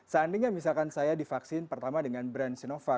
seandainya misalkan saya divaksin pertama dengan brand sinovac